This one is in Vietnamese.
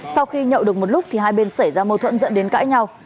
sau khi nhậu được một lúc thì hai bên xảy ra mâu thuẫn dẫn đến cãi nhau